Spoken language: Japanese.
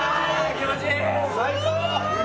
気持ちいい！